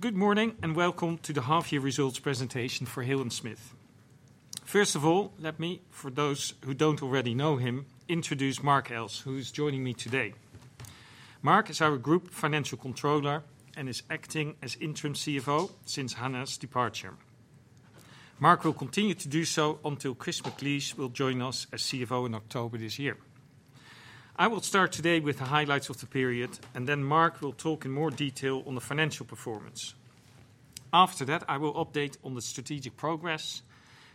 Good morning and welcome to the half-year results presentation for Hill & Smith. First of all, let me, for those who don't already know him, introduce Mark Else, who is joining me today. Mark is our Group Financial Controller and is acting as Interim CFO since Hannah's departure. Mark will continue to do so until Chris McLeese will join us as CFO in October this year. I will start today with the highlights of the period, and then Mark will talk in more detail on the financial performance. After that, I will update on the strategic progress,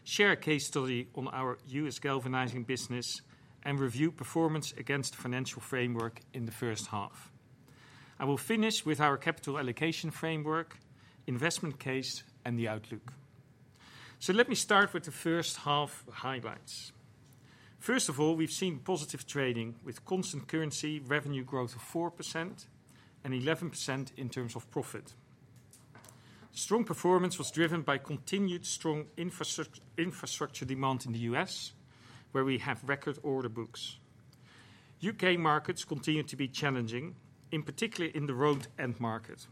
share a case study on our U.S. galvanizing business, and review performance against the financial framework in the first half. I will finish with our capital allocation framework, investment case, and the outlook. Let me start with the first half of the highlights. First of all, we've seen positive trading with constant currency revenue growth of 4% and 11% in terms of profit. Strong performance was driven by continued strong infrastructure demand in the U.S., where we have record order books. U.K. markets continue to be challenging, in particular in the road end market.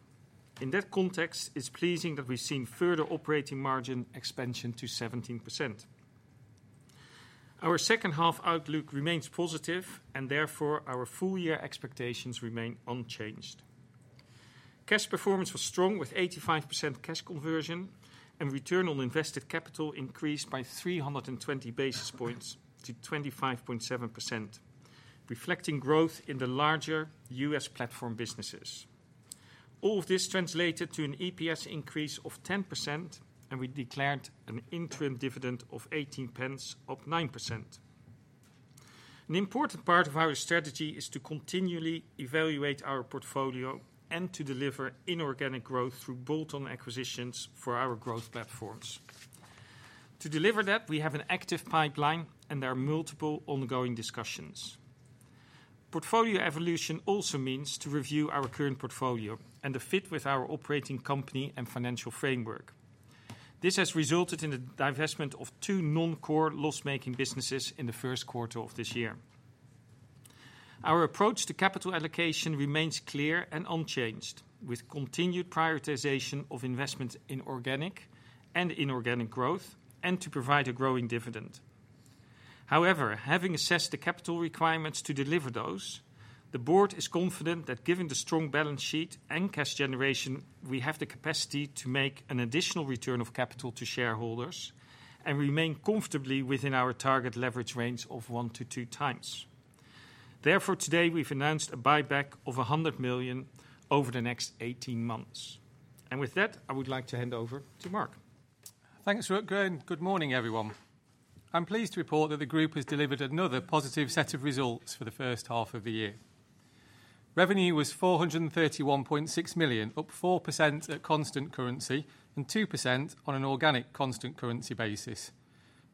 In that context, it's pleasing that we've seen further operating margin expansion to 17%. Our second half outlook remains positive, and therefore, our full-year expectations remain unchanged. Cash performance was strong with 85% cash conversion, and return on invested capital increased by 320 basis points to 25.7%, reflecting growth in the larger U.S. platform businesses. All of this translated to an EPS increase of 10%, and we declared an interim dividend of 0.18, up 9%. An important part of our strategy is to continually evaluate our portfolio and to deliver inorganic growth through bolt-on acquisitions for our growth platforms. To deliver that, we have an active pipeline, and there are multiple ongoing discussions. Portfolio evolution also means to review our current portfolio and the fit with our operating company and financial framework. This has resulted in the divestment of two non-core loss-making businesses in the first quarter of this year. Our approach to capital allocation remains clear and unchanged, with continued prioritization of investment in organic and inorganic growth, and to provide a growing dividend. However, having assessed the capital requirements to deliver those, the Board is confident that given the strong balance sheet and cash generation, we have the capacity to make an additional return of capital to shareholders and remain comfortably within our target leverage range of 1-2x. Therefore, today we've announced a buyback of 100 million over the next 18 months. With that, I would like to hand over to Mark. Thanks, Rutger. Good morning, everyone. I'm pleased to report that the group has delivered another positive set of results for the first half of the year. Revenue was 431.6 million, up 4% at constant currency and 2% on an organic constant currency basis,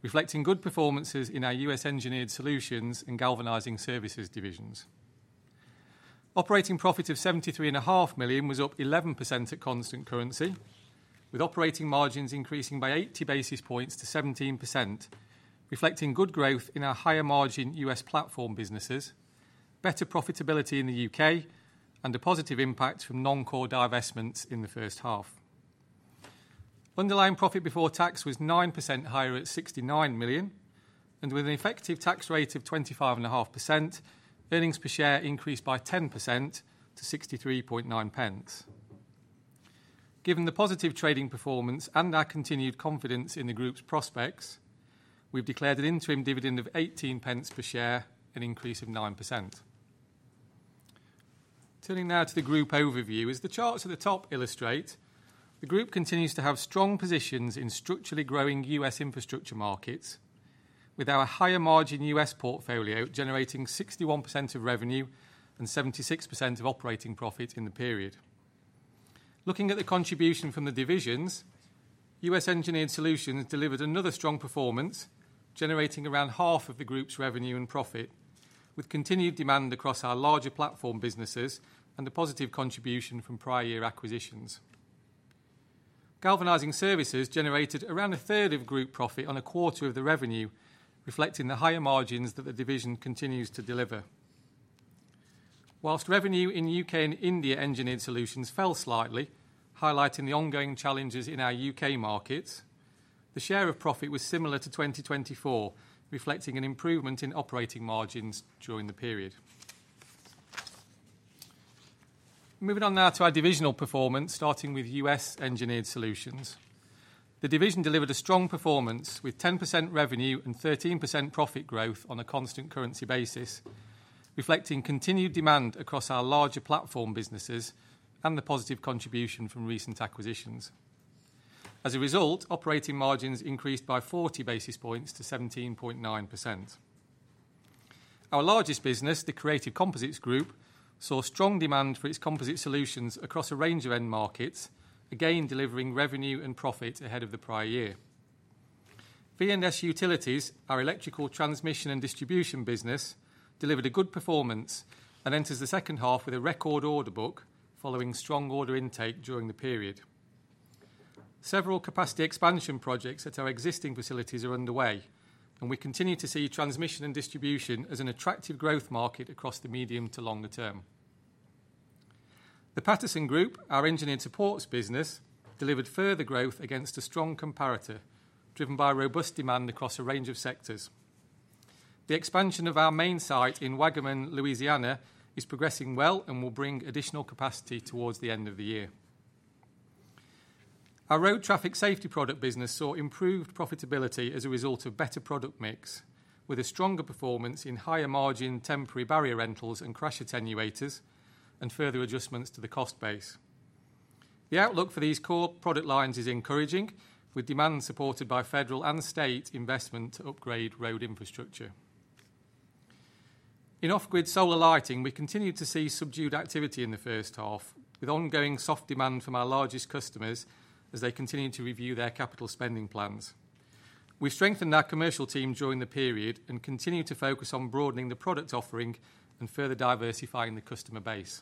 reflecting good performances in our U.S. engineered solutions and galvanizing services divisions. Operating profit of 73.5 million was up 11% at constant currency, with operating margins increasing by 80 basis points to 17%, reflecting good growth in our higher margin U.S. platform businesses, better profitability in the U.K., and a positive impact from non-core divestments in the first half. Underlying profit before tax was 9% higher at 69 million, and with an effective tax rate of 25.5%, earnings per share increased by 10% to 63.9. Given the positive trading performance and our continued confidence in the group's prospects, we've declared an interim dividend of 18 per share, an increase of 9%. Turning now to the group overview, as the charts at the top illustrate, the group continues to have strong positions in structurally growing U.S. infrastructure markets, with our higher margin U.S. portfolio generating 61% of revenue and 76% of operating profit in the period. Looking at the contribution from the divisions, U.S. engineered solutions delivered another strong performance, generating around half of the group's revenue and profit, with continued demand across our larger platform businesses and the positive contribution from prior year acquisitions. Galvanizing services generated around a third of group profit on a quarter of the revenue, reflecting the higher margins that the division continues to deliver. Whilst revenue in UK and India engineered solutions fell slightly, highlighting the ongoing challenges in our UK markets, the share of profit was similar to 2024, reflecting an improvement in operating margins during the period. Moving on now to our divisional performance, starting with U.S. engineered solutions. The division delivered a strong performance with 10% revenue and 13% profit growth on a constant currency basis, reflecting continued demand across our larger platform businesses and the positive contribution from recent acquisitions. As a result, operating margins increased by 40 basis points to 17.9%. Our largest business, the Creative Composites Group, saw strong demand for its composite solutions across a range of end markets, again delivering revenue and profit ahead of the prior year. V&S Utilities, our electrical transmission and distribution business, delivered a good performance and enters the second half with a record order book following strong order intake during the period. Several capacity expansion projects at our existing facilities are underway, and we continue to see transmission and distribution as an attractive growth market across the medium to longer term. The Paterson Group, our engineered supports business, delivered further growth against a strong comparator, driven by robust demand across a range of sectors. The expansion of our main site in Wagamin, Louisiana, is progressing well and will bring additional capacity towards the end of the year. Our road traffic safety product business saw improved profitability as a result of better product mix, with a stronger performance in higher margin temporary barrier rentals and crash attenuators and further adjustments to the cost base. The outlook for these core product lines is encouraging, with demand supported by federal and state investment to upgrade road infrastructure. In off-grid solar lighting, we continued to see subdued activity in the first half, with ongoing soft demand from our largest customers as they continue to review their capital spending plans. We strengthened our commercial team during the period and continue to focus on broadening the product offering and further diversifying the customer base.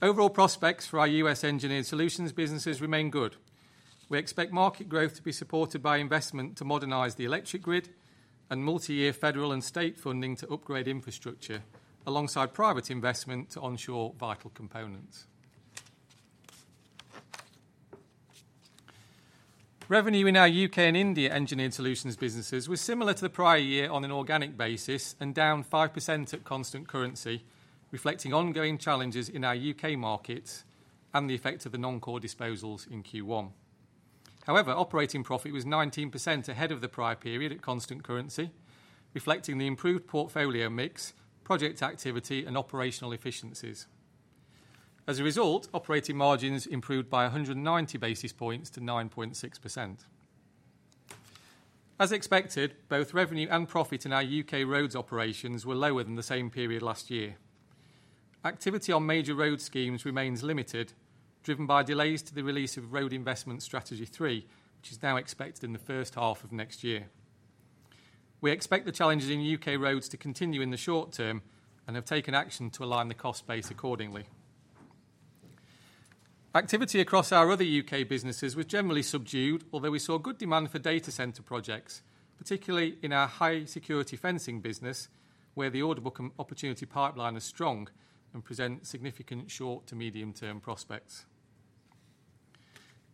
Overall prospects for our U.S. engineered solutions businesses remain good. We expect market growth to be supported by investment to modernize the electric grid and multi-year federal and state funding to upgrade infrastructure, alongside private investment to onshore vital components. Revenue in our U.K. and India engineered solutions businesses was similar to the prior year on an organic basis and down 5% at constant currency, reflecting ongoing challenges in our U.K. markets and the effect of the non-core disposals in Q1. However, operating profit was 19% ahead of the prior period at constant currency, reflecting the improved portfolio mix, project activity, and operational efficiencies. As a result, operating margins improved by 190 basis points to 9.6%. As expected, both revenue and profit in our U.K. roads operations were lower than the same period last year. Activity on major road schemes remains limited, driven by delays to the release of Road Investment Strategy 3, which is now expected in the first half of next year. We expect the challenges in UK roads to continue in the short term and have taken action to align the cost base accordingly. Activity across our other UK businesses was generally subdued, although we saw good demand for data center projects, particularly in our high-security fencing business, where the audit book opportunity pipeline is strong and presents significant short to medium-term prospects.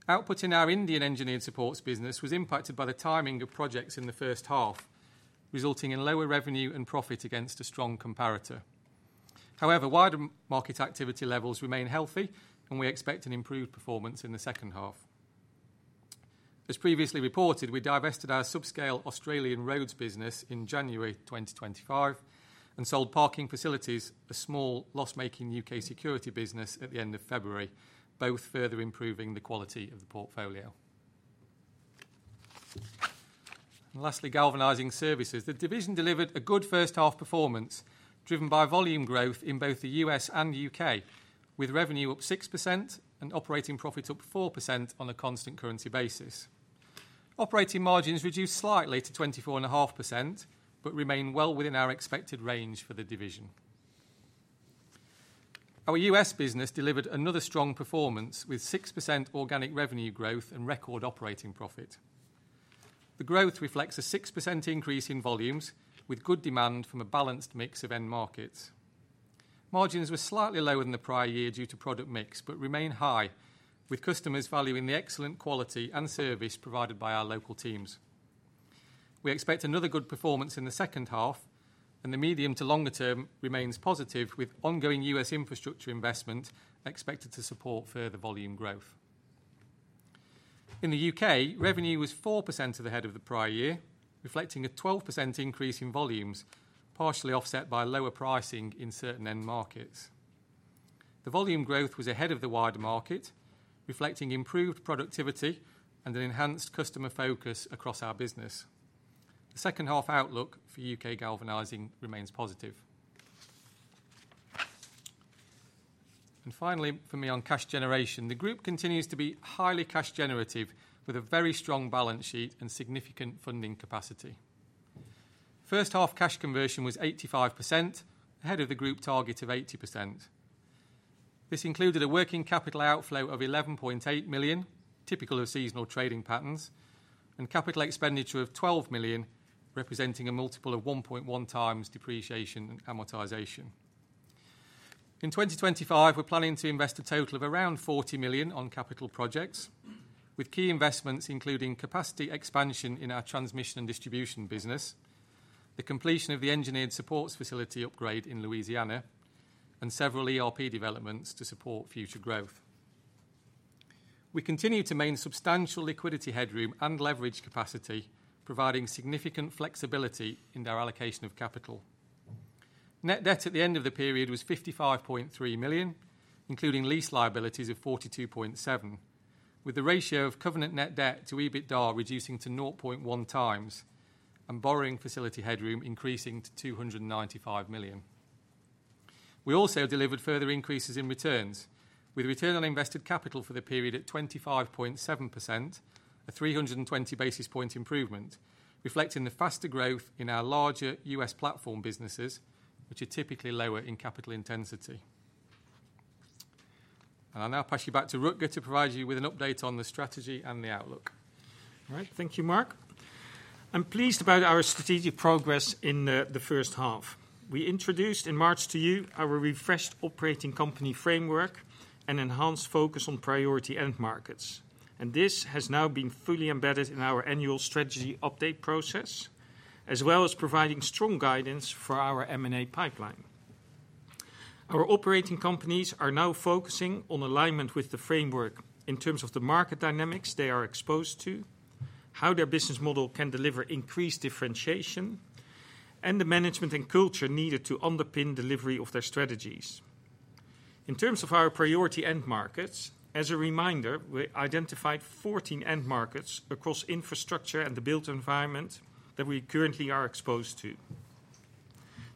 Output in our Indian engineered supports business was impacted by the timing of projects in the first half, resulting in lower revenue and profit against a strong comparator. However, wider market activity levels remain healthy, and we expect an improved performance in the second half. As previously reported, we divested our subscale Australian roads business in January 2025 and sold parking facilities to a small loss-making U.K. security business at the end of February, both further improving the quality of the portfolio. Lastly, galvanizing services, the division delivered a good first-half performance, driven by volume growth in both the U.S. and U.K., with revenue up 6% and operating profit up 4% on a constant currency basis. Operating margins reduced slightly to 24.5%, but remain well within our expected range for the division. Our U.S. business delivered another strong performance with 6% organic revenue growth and record operating profit. The growth reflects a 6% increase in volumes, with good demand from a balanced mix of end markets. Margins were slightly lower than the prior year due to product mix, but remain high, with customers valuing the excellent quality and service provided by our local teams. We expect another good performance in the second half, and the medium to longer term remains positive, with ongoing U.S. infrastructure investment expected to support further volume growth. In the U.K., revenue was 4% ahead of the prior year, reflecting a 12% increase in volumes, partially offset by lower pricing in certain end markets. The volume growth was ahead of the wider market, reflecting improved productivity and an enhanced customer focus across our business. The second-half outlook for U.K. galvanizing remains positive. Finally, for me on cash generation, the group continues to be highly cash generative with a very strong balance sheet and significant funding capacity. First half cash conversion was 85%, ahead of the group target of 80%. This included a working capital outflow of 11.8 million, typical of seasonal trading patterns, and capital expenditure of 12 million, representing a multiple of 1.1x depreciation and amortization. In 2025, we're planning to invest a total of around 40 million on capital projects, with key investments including capacity expansion in our transmission and distribution business, the completion of the engineered supports facility upgrade in Louisiana, and several ERP developments to support future growth. We continue to maintain substantial liquidity headroom and leverage capacity, providing significant flexibility in our allocation of capital. Net debt at the end of the period was 55.3 million, including lease liabilities of 42.7 million, with the ratio of covenant net debt to EBITDA reducing to 0.1x and borrowing facility headroom increasing to 295 million. We also delivered further increases in returns, with return on invested capital for the period at 25.7%, a 320 basis point improvement, reflecting the faster growth in our larger U.S. platform businesses, which are typically lower in capital intensity. I'll now pass you back to Rutger to provide you with an update on the strategy and the outlook. All right, thank you, Mark. I'm pleased about our strategic progress in the first half. We introduced in March to you our refreshed operating company framework and enhanced focus on priority end markets. This has now been fully embedded in our annual strategy update process, as well as providing strong guidance for our M&A pipeline. Our operating companies are now focusing on alignment with the framework in terms of the market dynamics they are exposed to, how their business model can deliver increased differentiation, and the management and culture needed to underpin delivery of their strategies. In terms of our priority end markets, as a reminder, we identified 14 end markets across infrastructure and the built environment that we currently are exposed to.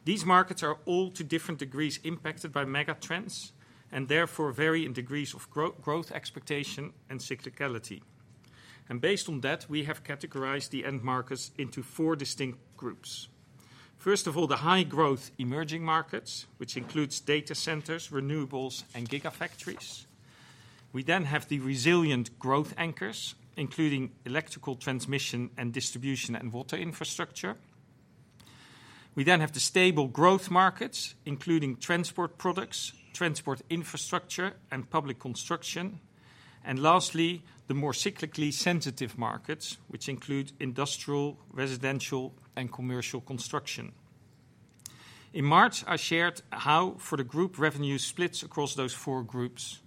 These markets are all to different degrees impacted by mega trends and therefore vary in degrees of growth expectation and cyclicality. Based on that, we have categorized the end markets into four distinct groups. First of all, the high-growth emerging markets, which includes data centers, renewables, and gigafactories. We then have the resilient growth anchors, including electrical transmission and distribution and water infrastructure. We then have the stable growth markets, including transport products, transport infrastructure, and public construction. Lastly, the more cyclically sensitive markets, which include industrial, residential, and commercial construction. In March, I shared how for the group revenue splits across those four groups.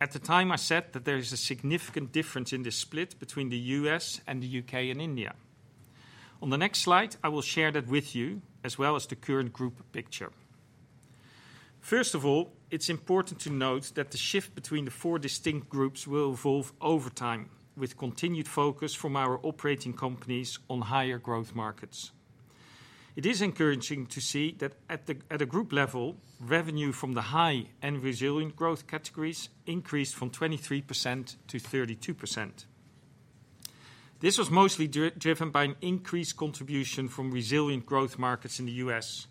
At the time, I said that there is a significant difference in this split between the U.S. and the U.K. and India. On the next slide, I will share that with you, as well as the current group picture. First of all, it's important to note that the shift between the four distinct groups will evolve over time, with continued focus from our operating companies on higher growth markets. It is encouraging to see that at the group level, revenue from the high and resilient growth categories increased from 23% to 32%. This was mostly driven by an increased contribution from resilient growth markets in the U.S.,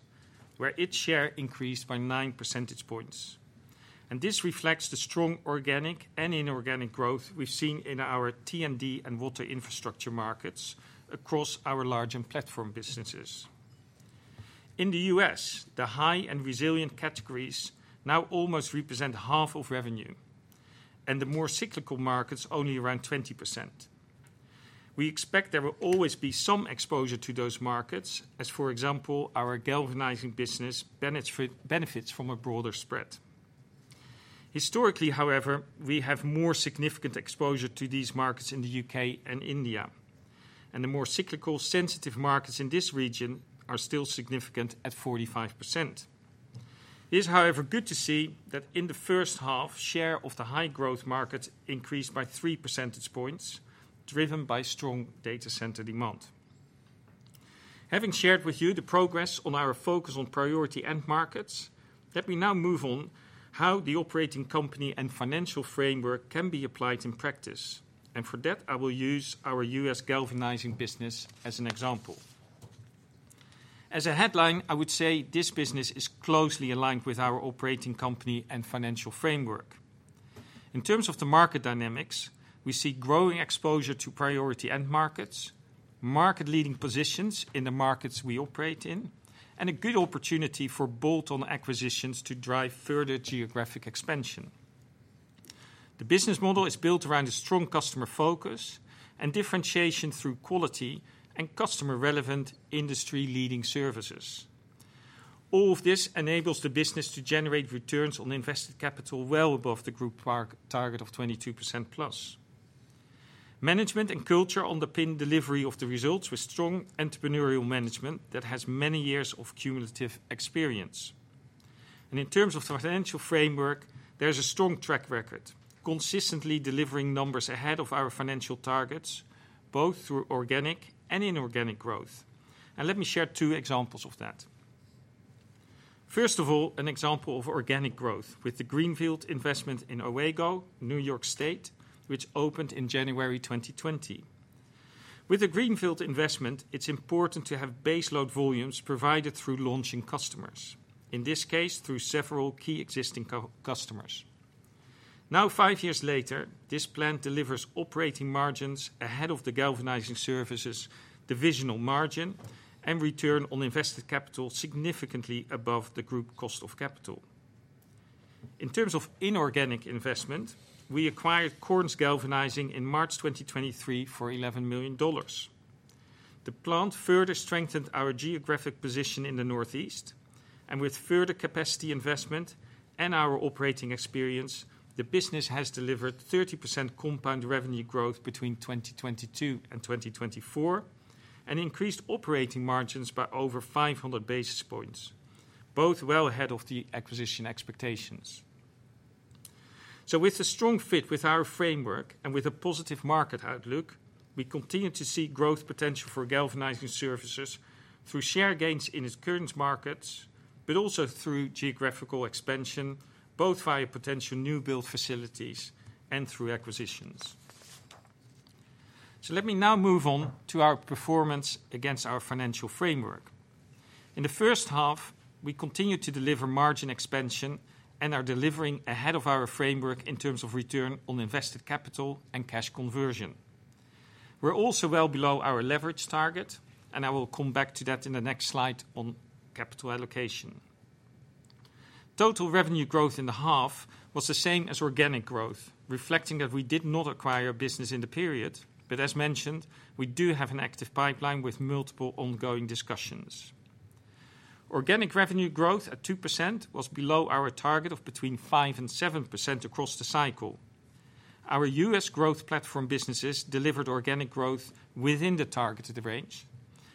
where its share increased by 9 percentage points. This reflects the strong organic and inorganic growth we've seen in our T&D and water infrastructure markets across our large and platform businesses. In the U.S., the high and resilient categories now almost represent half of revenue, and the more cyclical markets only around 20%. We expect there will always be some exposure to those markets, as for example, our galvanizing business benefits from a broader spread. Historically, however, we have more significant exposure to these markets in the U.K. and India, and the more cyclical sensitive markets in this region are still significant at 45%. It is, however, good to see that in the first half, the share of the high-growth markets increased by 3 percentage points, driven by strong data center demand. Having shared with you the progress on our focus on priority end markets, let me now move on to how the operating company and financial framework can be applied in practice. For that, I will use our U.S. galvanizing business as an example. As a headline, I would say this business is closely aligned with our operating company and financial framework. In terms of the market dynamics, we see growing exposure to priority end markets, market-leading positions in the markets we operate in, and a good opportunity for bolt-on acquisitions to drive further geographic expansion. The business model is built around a strong customer focus and differentiation through quality and customer-relevant industry-leading services. All of this enables the business to generate returns on invested capital well above the group target of 22%+. Management and culture underpin delivery of the results with strong entrepreneurial management that has many years of cumulative experience. In terms of the financial framework, there is a strong track record, consistently delivering numbers ahead of our financial targets, both through organic and inorganic growth. Let me share two examples of that. First of all, an example of organic growth with the greenfield investment in Owego, NY, which opened in January 2020. With a greenfield investment, it's important to have baseload volumes provided through launching customers, in this case through several key existing customers. Now, five years later, this plant delivers operating margins ahead of the galvanizing services' divisional margin and return on invested capital significantly above the group cost of capital. In terms of inorganic investment, we acquired Korns Galvanizing in March 2023 for $11 million. The plant further strengthened our geographic position in the Northeast, and with further capacity investment and our operating experience, the business has delivered 30% compound revenue growth between 2022 and 2024 and increased operating margins by over 500 basis points, both well ahead of the acquisition expectations. With a strong fit with our framework and with a positive market outlook, we continue to see growth potential for galvanizing services through share gains in its current markets, but also through geographical expansion, both via potential new build facilities and through acquisitions. Let me now move on to our performance against our financial framework. In the first half, we continue to deliver margin expansion and are delivering ahead of our framework in terms of return on invested capital and cash conversion. We're also well below our leverage target, and I will come back to that in the next slide on capital allocation. Total revenue growth in the half was the same as organic growth, reflecting that we did not acquire a business in the period, but as mentioned, we do have an active pipeline with multiple ongoing discussions. Organic revenue growth at 2% was below our target of between 5% and 7% across the cycle. Our U.S. growth platform businesses delivered organic growth within the targeted range,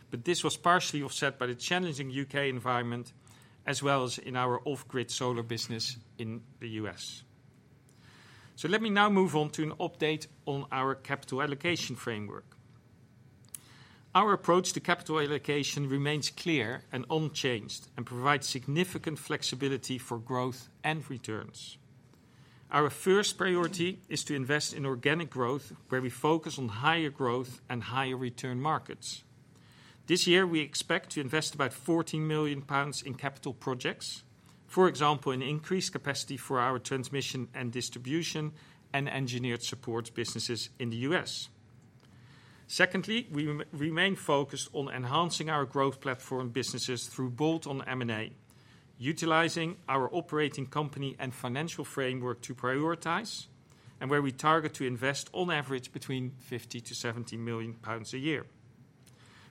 but this was partially offset by the challenging U.K. environment, as well as in our off-grid solar business in the U.S. Let me now move on to an update on our capital allocation framework. Our approach to capital allocation remains clear and unchanged and provides significant flexibility for growth and returns. Our first priority is to invest in organic growth, where we focus on higher growth and higher return markets. This year, we expect to invest about 14 million pounds in capital projects, for example, in increased capacity for our transmission and distribution and engineered supports businesses in the U.S. Secondly, we remain focused on enhancing our growth platform businesses through bolt-on M&A, utilizing our operating company and financial framework to prioritize, and where we target to invest on average between 50 million-70 million pounds a year.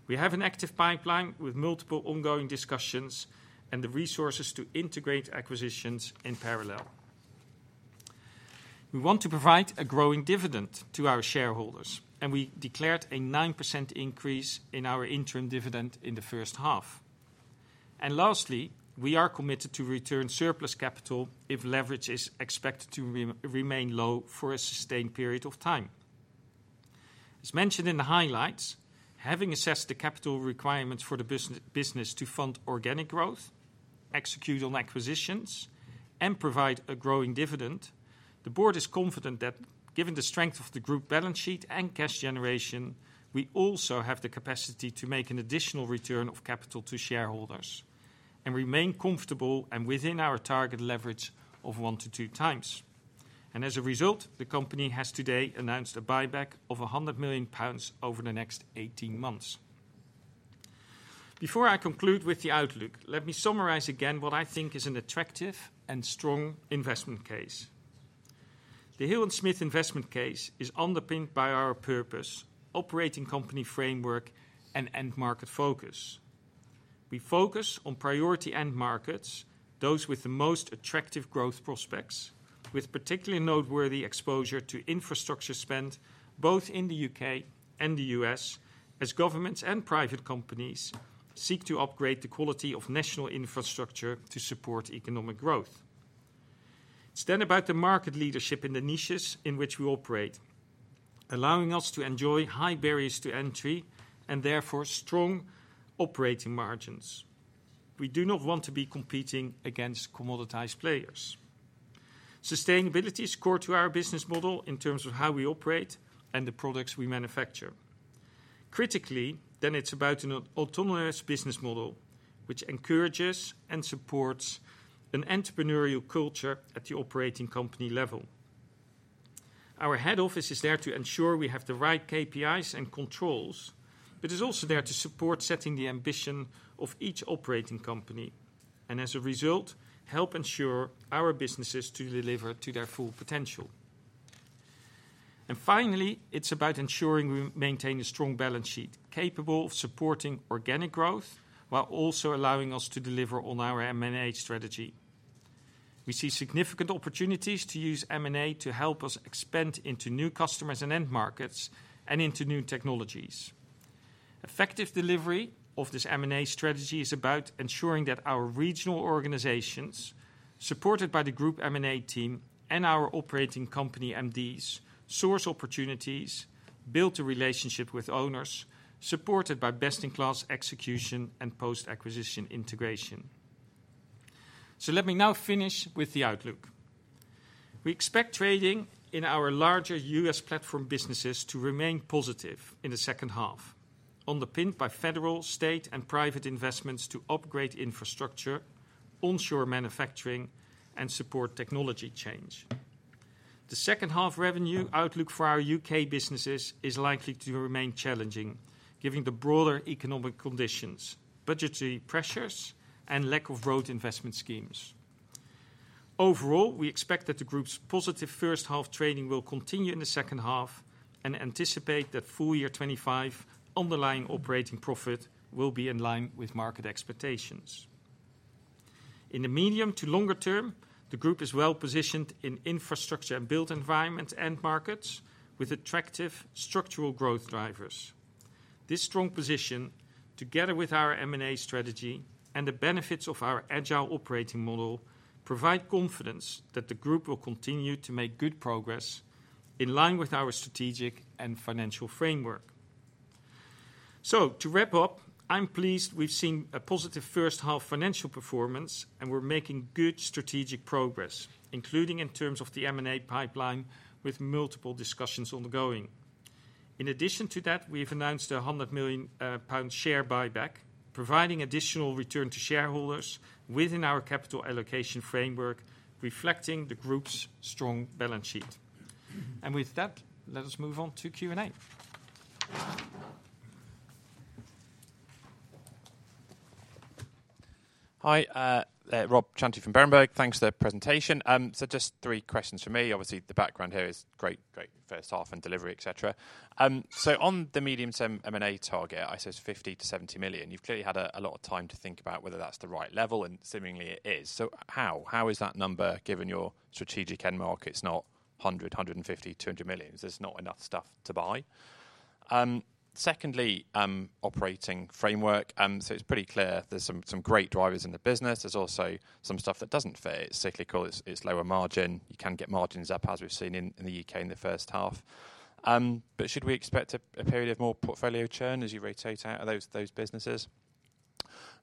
We have an active pipeline with multiple ongoing discussions and the resources to integrate acquisitions in parallel. We want to provide a growing dividend to our shareholders, and we declared a 9% increase in our interim dividend in the first half. Lastly, we are committed to return surplus capital if leverage is expected to remain low for a sustained period of time. As mentioned in the highlights, having assessed the capital requirements for the business to fund organic growth, execute on acquisitions, and provide a growing dividend, the board is confident that given the strength of the group balance sheet and cash generation, we also have the capacity to make an additional return of capital to shareholders and remain comfortable and within our target leverage of 1-2x. As a result, the company has today announced a buyback of 100 million pounds over the next 18 months. Before I conclude with the outlook, let me summarize again what I think is an attractive and strong investment case. The Hill & Smith investment case is underpinned by our purpose, operating company framework, and end market focus. We focus on priority end markets, those with the most attractive growth prospects, with particularly noteworthy exposure to infrastructure spend, both in the U.K. and the U.S., as governments and private companies seek to upgrade the quality of national infrastructure to support economic growth. It is then about the market leadership in the niches in which we operate, allowing us to enjoy high barriers to entry and therefore strong operating margins. We do not want to be competing against commoditized players. Sustainability is core to our business model in terms of how we operate and the products we manufacture. Critically, then it is about an autonomous business model, which encourages and supports an entrepreneurial culture at the operating company level. Our head office is there to ensure we have the right KPIs and controls, but is also there to support setting the ambition of each operating company and, as a result, help ensure our businesses deliver to their full potential. Finally, it is about ensuring we maintain a strong balance sheet capable of supporting organic growth while also allowing us to deliver on our M&A strategy. We see significant opportunities to use M&A to help us expand into new customers and end markets and into new technologies. Effective delivery of this M&A strategy is about ensuring that our regional organizations, supported by the group M&A team and our operating company MDs, source opportunities, build a relationship with owners supported by best-in-class execution and post-acquisition integration. Let me now finish with the outlook. We expect trading in our larger US platform businesses to remain positive in the second half, underpinned by federal, state, and private investments to upgrade infrastructure, onshore manufacturing, and support technology change. The second half revenue outlook for our U.K. businesses is likely to remain challenging, given the broader economic conditions, budgetary pressures, and lack of road investment schemes. Overall, we expect that the group's positive first half trading will continue in the second half and anticipate that full year 2025 underlying operating profit will be in line with market expectations. In the medium to longer term, the group is well positioned in infrastructure and built environment end markets with attractive structural growth drivers. This strong position, together with our M&A strategy and the benefits of our agile operating model, provide confidence that the group will continue to make good progress in line with our strategic and financial framework. To wrap up, I'm pleased we've seen a positive first half financial performance and we're making good strategic progress, including in terms of the M&A pipeline with multiple discussions ongoing. In addition to that, we've announced a 100 million share buyback, providing additional return to shareholders within our capital allocation framework, reflecting the group's strong balance sheet. With that, let us move on to Q&A. Hi, Rob Chanti from Berenberg. Thanks for the presentation. Just three questions for me. Obviously, the background here is great, great first half and delivery, etc. On the medium term M&A target, I said $50 million-$70 million. You've clearly had a lot of time to think about whether that's the right level, and seemingly it is. How is that number, given your strategic end markets, not $100, $150, $200 million? There's not enough stuff to buy? Secondly, operating framework. It's pretty clear there's some great drivers in the business. There's also some stuff that doesn't fit. It's cyclical. It's lower margin. You can get margins up, as we've seen in the U.K. in the first half. Should we expect a period of more portfolio churn as you rotate out of those businesses?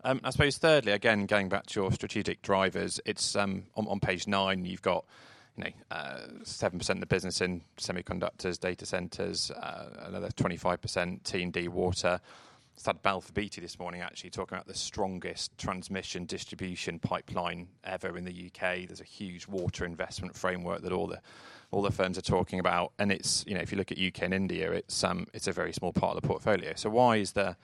Thirdly, again, going back to your strategic drivers, it's on page nine, you've got 7% of the business in semiconductors, data centers, another 25% T&D, water. I've had Balfour Beatty this morning actually talking about the strongest transmission distribution pipeline ever in the U.K. There's a huge water investment framework that all the firms are talking about. If you look at U.K. and India, it's a very small part of the portfolio. Why is the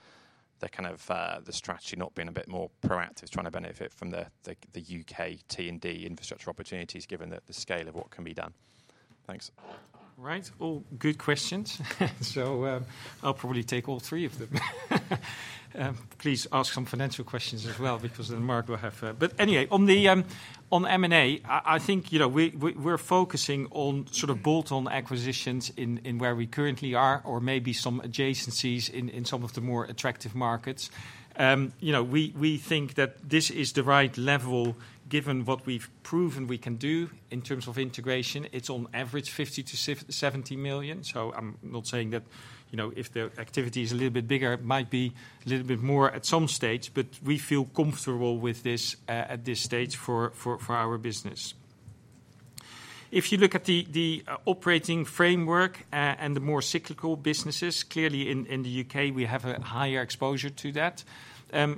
kind of the strategy not being a bit more proactive, trying to benefit from the U.K. T&D infrastructure opportunities, given the scale of what can be done? Thanks. Right. All good questions. I'll probably take all three of them. Please ask some financial questions as well, because then Mark will have to. On the M&A, I think we're focusing on sort of bolt-on acquisitions in where we currently are, or maybe some adjacencies in some of the more attractive markets. We think that this is the right level given what we've proven we can do in terms of integration. It's on average $50 million-$70 million. I'm not saying that if the activity is a little bit bigger, it might be a little bit more at some stage. We feel comfortable with this at this stage for our business. If you look at the operating framework and the more cyclical businesses, clearly in the U.K., we have a higher exposure to that.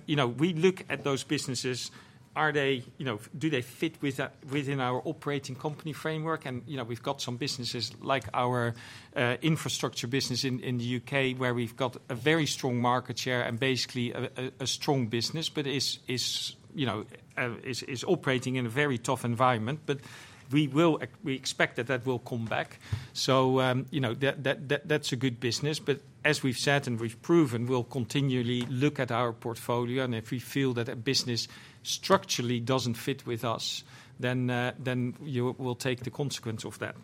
We look at those businesses. Do they fit within our operating company framework? We've got some businesses like our infrastructure business in the U.K. where we've got a very strong market share and basically a strong business, but is operating in a very tough environment. We expect that will come back. That's a good business. As we've said and we've proven, we'll continually look at our portfolio. If we feel that a business structurally doesn't fit with us, then we'll take the consequence of that.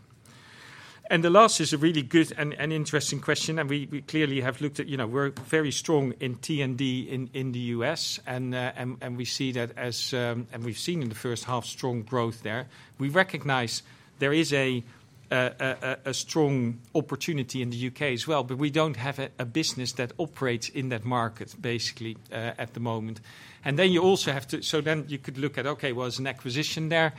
The last is a really good and interesting question. We clearly have looked at, we're very strong in T&D in the U.S. We see that as, and we've seen in the first half, strong growth there. We recognize there is a strong opportunity in the U.K. as well, but we don't have a business that operates in that market basically at the moment. You also have to, so you could look at, okay, was an acquisition there?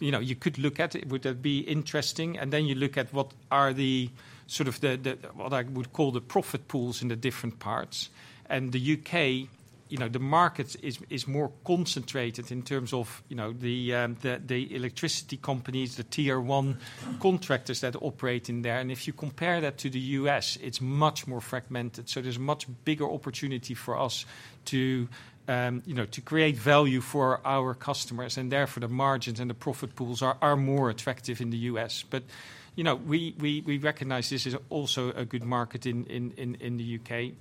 You could look at it. Would that be interesting? Then you look at what are the sort of the, what I would call the profit pools in the different parts. In the U.K., the market is more concentrated in terms of the electricity companies, the Tier 1 contractors that operate in there. If you compare that to the U.S., it's much more fragmented. There's a much bigger opportunity for us to create value for our customers. Therefore, the margins and the profit pools are more attractive in the U.S. We recognize this is also a good market in the U.K.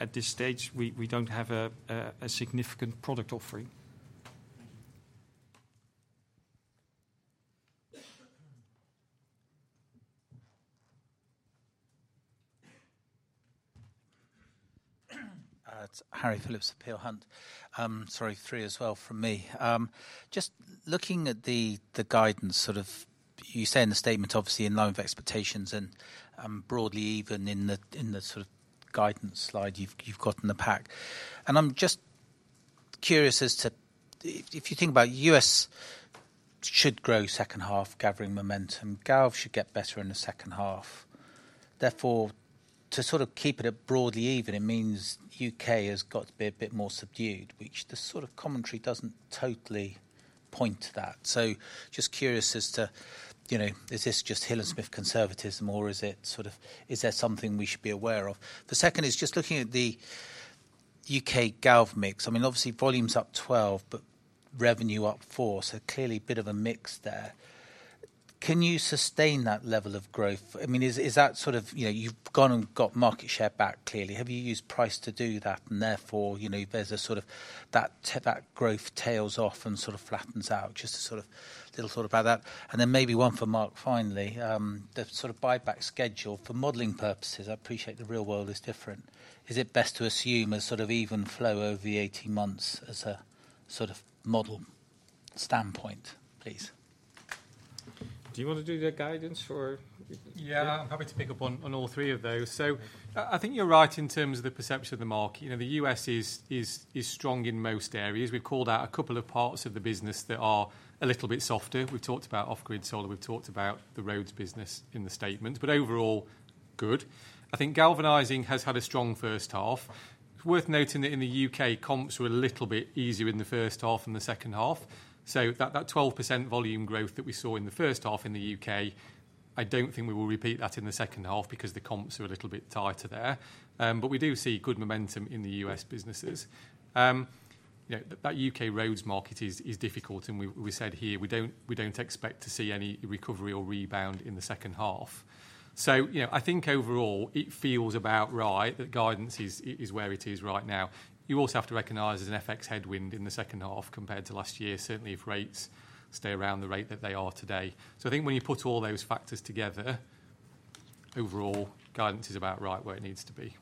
At this stage, we don't have a significant product offering. That's Harry Phillips of Peel Hunt. Sorry, three as well from me. Just looking at the guidance, you say in the statement, obviously in line of expectations and broadly even in the guidance slide you've got in the pack. I'm just curious as to if you think about U.S. should grow second half gathering momentum, galvanizing services should get better in the second half. Therefore, to keep it broadly even, it means U.K. has got to be a bit more subdued, which the commentary doesn't totally point to that. I'm just curious as to, you know, is this just Hill & Smith conservatism or is there something we should be aware of? The second is just looking at the U.K. galvanizing services mix. I mean, obviously volumes up 12%, but revenue up 4%. Clearly a bit of a mix there. Can you sustain that level of growth? I mean, is that, you know, you've gone and got market share back clearly. Have you used price to do that? Therefore, there's a sort of that growth tails off and flattens out. Just a little thought about that. Maybe one for Mark finally, the buyback schedule for modeling purposes. I appreciate the real world is different. Is it best to assume an even flow over the 18 months as a model standpoint, please? Do you want to do the guidance or? Yeah. I'm happy to pick up on all three of those. I think you're right in terms of the perception of the market. You know, the U.S. is strong in most areas. We've called out a couple of parts of the business that are a little bit softer. We've talked about off-grid solar. We've talked about the roads business in the statements, but overall good. I think galvanizing has had a strong first half. It's worth noting that in the U.K., comps were a little bit easier in the first half than the second half. That 12% volume growth that we saw in the first half in the U.K., I don't think we will repeat that in the second half because the comps are a little bit tighter there. We do see good momentum in the U.S. businesses. That U.K. roads market is difficult. We said here, we don't expect to see any recovery or rebound in the second half. I think overall it feels about right that guidance is where it is right now. You also have to recognize there's an FX headwind in the second half compared to last year, certainly if rates stay around the rate that they are today. I think when you put all those factors together, overall guidance is about right where it needs to be.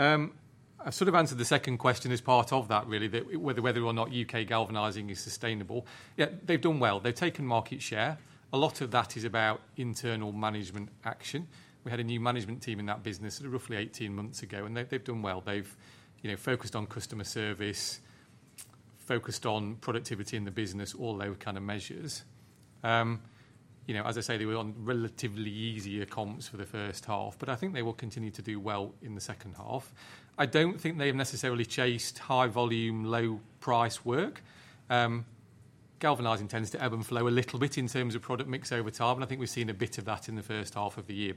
I sort of answered the second question as part of that, really, whether or not U.K. galvanizing is sustainable. Yeah, they've done well. They've taken market share. A lot of that is about internal management action. We had a new management team in that business roughly 18 months ago, and they've done well. They've focused on customer service, focused on productivity in the business, all those kind of measures. As I say, they were on relatively easier comps for the first half, but I think they will continue to do well in the second half. I don't think they have necessarily chased high volume, low price work. Galvanizing tends to ebb and flow a little bit in terms of product mix over time, and I think we've seen a bit of that in the first half of the year.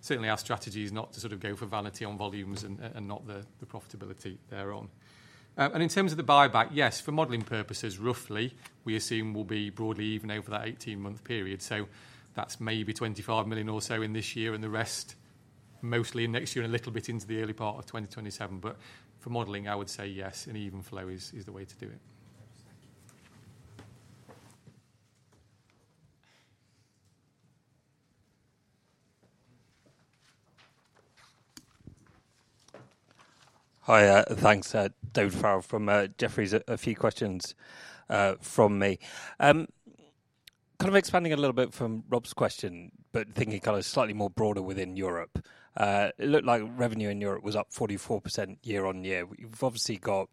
Certainly, our strategy is not to sort of go for vanity on volumes and not the profitability thereon. In terms of the buyback, yes, for modeling purposes, roughly we assume we'll be broadly even over that 18-month period. That's maybe 25 million or so in this year and the rest mostly in next year and a little bit into the early part of 2027. For modeling, I would say yes, an even flow is the way to do it. Hi, thanks, David Farrell from Jefferies, a few questions from me. Expanding a little bit from Rob's question, but thinking kind of slightly more broader within Europe. It looked like revenue in Europe was up 44% year-on-year. We've obviously got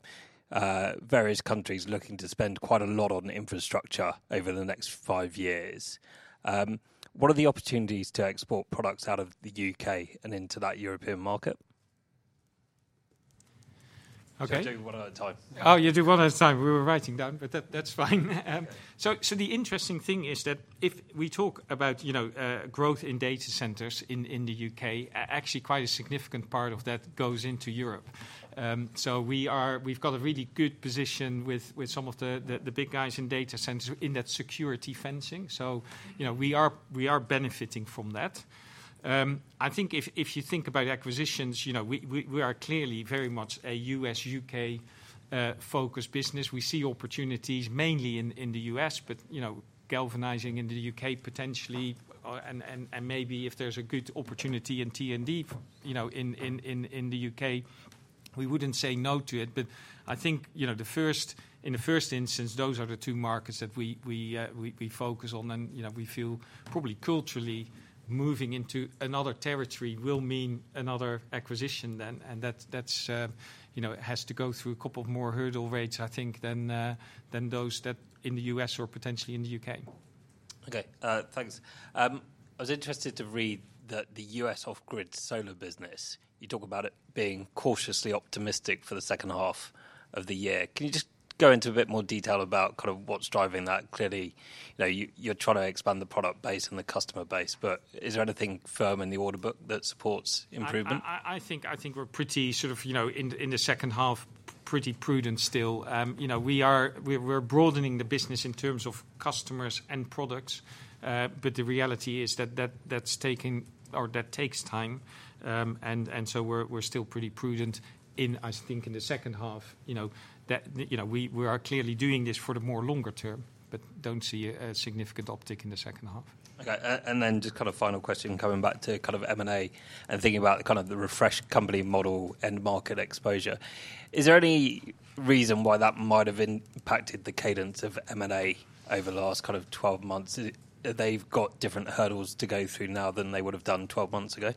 various countries looking to spend quite a lot on infrastructure over the next five years. What are the opportunities to export products out of the UK and into that European market? Okay. You do one at a time. You do one at a time. We were writing down, but that's fine. The interesting thing is that if we talk about growth in data centers in the UK, actually quite a significant part of that goes into Europe. We've got a really good position with some of the big guys in data centers in that security fencing. We are benefiting from that. I think if you think about acquisitions, we are clearly very much a U.S.-U.K. focused business. We see opportunities mainly in the U.S., but galvanizing in the UK potentially, and maybe if there's a good opportunity in T&D in the U.K., we wouldn't say no to it. I think in the first instance, those are the two markets that we focus on. We feel probably culturally moving into another territory will mean another acquisition then. It has to go through a couple more hurdle rates, I think, than those in the U.S. or potentially in the U.K. Okay, thanks. I was interested to read that the U.S. off-grid solar business, you talk about it being cautiously optimistic for the second half of the year. Can you just go into a bit more detail about kind of what's driving that? Clearly, you know, you're trying to expand the product base and the customer base, but is there anything firm in the order book that supports improvement? I think we're pretty, in the second half, pretty prudent still. We are broadening the business in terms of customers and products, but the reality is that takes time. We're still pretty prudent in the second half. We are clearly doing this for the more longer term, but don't see a significant uptick in the second half. Okay, and then just kind of final question, coming back to kind of M&A and thinking about the kind of the refreshed company model and market exposure. Is there any reason why that might have impacted the cadence of M&A over the last kind of 12 months? They've got different hurdles to go through now than they would have done 12 months ago?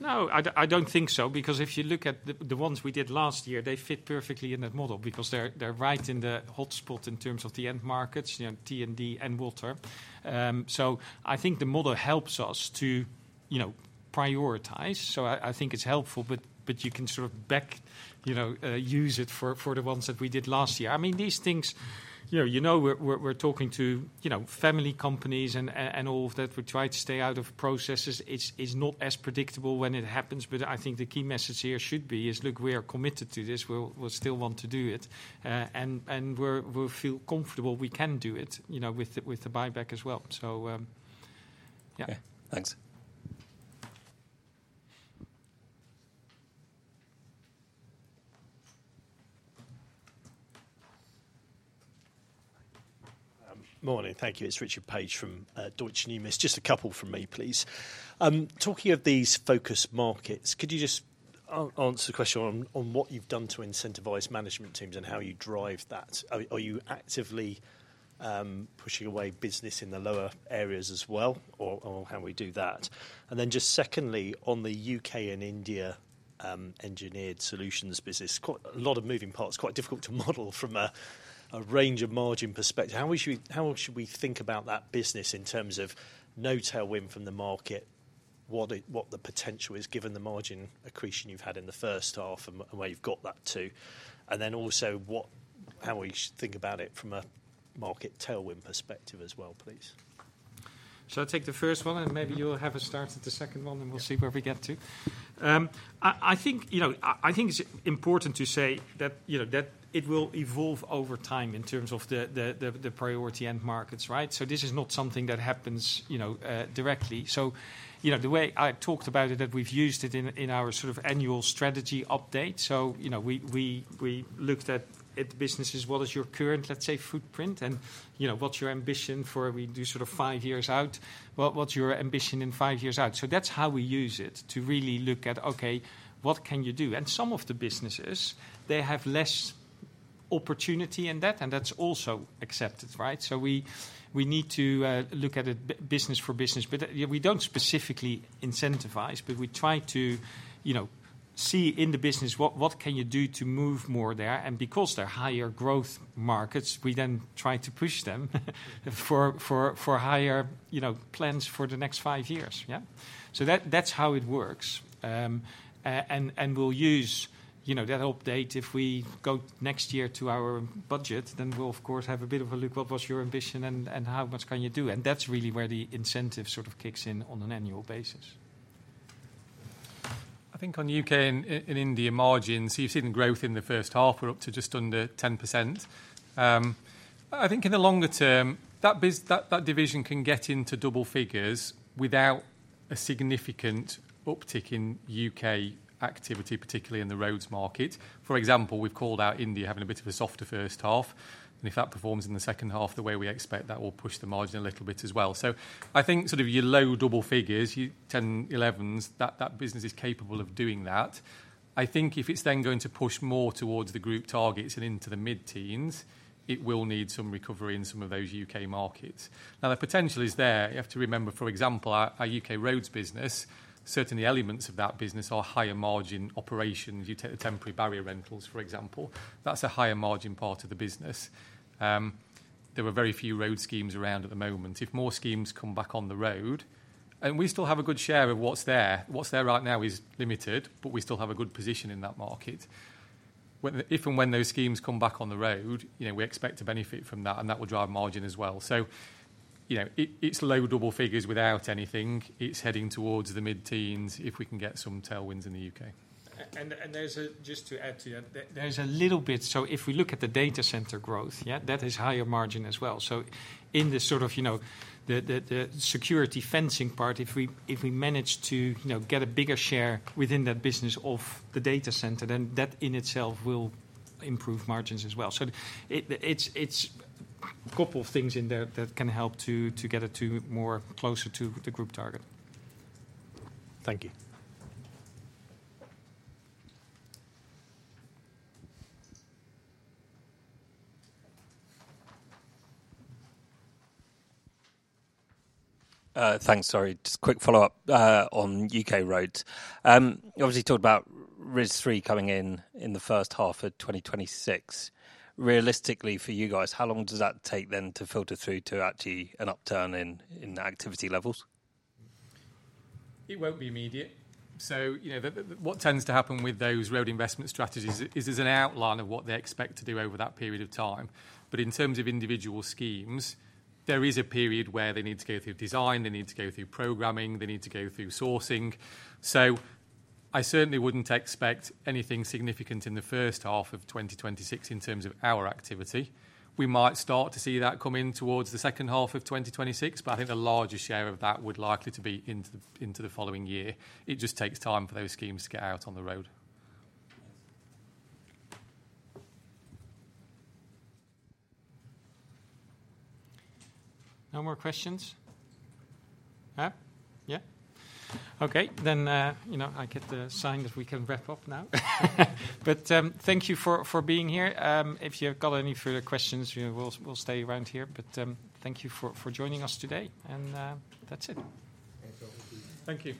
No, I don't think so, because if you look at the ones we did last year, they fit perfectly in that model because they're right in the hotspot in terms of the end markets, you know, T&D and water. I think the model helps us to prioritize. I think it's helpful, but you can sort of back, you know, use it for the ones that we did last year. I mean, these things, we're talking to family companies and all of that. We try to stay out of processes. It's not as predictable when it happens, but I think the key message here should be is, look, we are committed to this. We'll still want to do it. We'll feel comfortable we can do it, you know, with the buyback as well. Yeah. Thanks. Morning, thank you. It's Richard Paige from Deutsche Numis. Just a couple from me, please. Talking of these focus markets, could you just answer the question on what you've done to incentivize management teams and how you drive that? Are you actively pushing away business in the lower areas as well, or how we do that? Secondly, on the U.K. and India engineered solutions business, quite a lot of moving parts, quite difficult to model from a range of margin perspective. How should we think about that business in terms of no tailwind from the market, what the potential is given the margin accretion you've had in the first half and where you've got that to? Also, how we think about it from a market tailwind perspective as well, please. I'll take the first one and maybe you'll have a start at the second one and we'll see where we get to. I think it's important to say that it will evolve over time in terms of the priority end markets, right? This is not something that happens directly. The way I've talked about it, that we've used it in our sort of annual strategy update, we looked at businesses, what is your current, let's say, footprint and what's your ambition for, we do sort of five years out, what's your ambition in five years out? That's how we use it to really look at, okay, what can you do? Some of the businesses, they have less opportunity in that, and that's also accepted, right? We need to look at it business for business, but yeah, we don't specifically incentivize, but we try to see in the business what can you do to move more there. Because they're higher growth markets, we then try to push them for higher plans for the next five years. That's how it works. We'll use that update. If we go next year to our budget, then we'll, of course, have a bit of a look at what was your ambition and how much can you do? That's really where the incentive sort of kicks in on an annual basis. I think on U.K. and India margins, you've seen growth in the first half, we're up to just under 10%. I think in the longer term, that division can get into double figures without a significant uptick in U.K. activity, particularly in the roads markets. For example, we've called out India having a bit of a softer first half. If that performs in the second half the way we expect, that will push the margin a little bit as well. I think your low double figures, your 10%-11%, that business is capable of doing that. If it's then going to push more towards the group targets and into the mid-teens, it will need some recovery in some of those U.K. markets. The potential is there. You have to remember, for example, our U.K. roads business, certainly elements of that business are higher margin operations. You take the temporary barrier rentals, for example. That's a higher margin part of the business. There are very few road schemes around at the moment. If more schemes come back on the road, and we still have a good share of what's there, what's there right now is limited, but we still have a good position in that market. If and when those schemes come back on the road, we expect to benefit from that, and that will drive margin as well. It's low double figures without anything. It's heading towards the mid-teens if we can get some tailwinds in the UK. Just to add to that, if we look at the data center growth, that is higher margin as well. In the security fencing part, if we manage to get a bigger share within that business of the data center, then that in itself will improve margins as well. It's a couple of things in there that can help to get it closer to the group target. Thank you. Sorry, just quick follow-up on U.K. roads. Obviously, you talked about RISC3 coming in in the first half of 2026. Realistically, for you guys, how long does that take then to filter through to actually an upturn in activity levels? It won't be immediate. What tends to happen with those road investment strategies is there's an outline of what they expect to do over that period of time. In terms of individual schemes, there is a period where they need to go through design, they need to go through programming, they need to go through sourcing. I certainly wouldn't expect anything significant in the first half of 2026 in terms of our activity. We might start to see that come in towards the second half of 2026, but I think the largest share of that would likely be into the following year. It just takes time for those schemes to get out on the road. No more questions? Yeah. Okay, I get the sign that we can wrap up now. Thank you for being here. If you've got any further questions, we'll stay around here. Thank you for joining us today. That's it. Thank you.